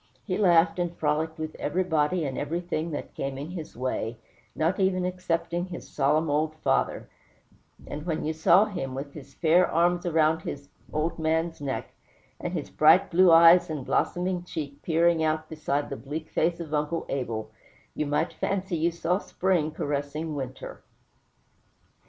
He laughed and frolicked with everybody and everything that came in his way, not even excepting his solemn old father; and when you saw him, with his fair arms around the old man's neck, and his bright blue eyes and blooming cheek peering out beside the bleak face of Uncle Abel, you might fancy you saw spring caressing winter.